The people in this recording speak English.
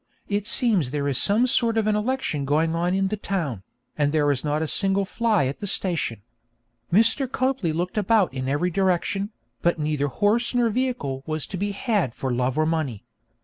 It seems there is some sort of an election going on in the town, and there was not a single fly at the station. Mr. Copley looked about in every direction, but neither horse nor vehicle was to be had for love or money.